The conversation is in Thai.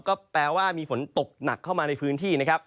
ก็แปลว่ามีฝนตกหนักเข้ามาละในพื้นที่